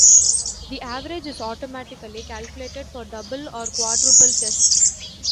The average is automatically calculated for double or quadruple tests.